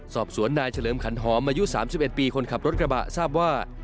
สอบสวนนายเฉลิมขันหอมอายุ๓๑ปีคนขับรถกระบะทราบว่า